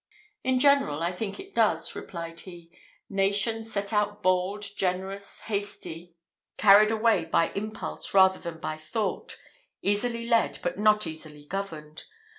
"In general, I think it does," replied he: "nations set out bold, generous, hasty, carried away by impulse rather than by thought; easily led, but not easily governed.